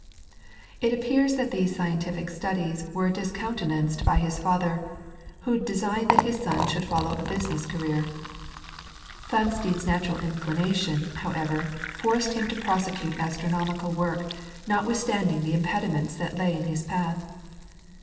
It appears that these scientific studies were discountenanced by his father, who designed that his son should follow a business career. Flamsteed's natural inclination, however, forced him to prosecute astronomical work, notwithstanding the impediments that lay in his path.